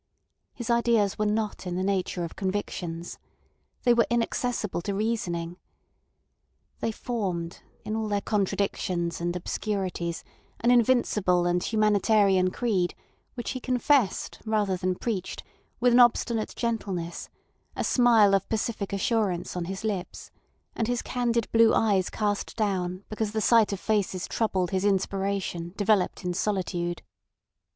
His ideas were not in the nature of convictions. They were inaccessible to reasoning. They formed in all their contradictions and obscurities an invincible and humanitarian creed, which he confessed rather than preached, with an obstinate gentleness, a smile of pacific assurance on his lips, and his candid blue eyes cast down because the sight of faces troubled his inspiration developed in solitude.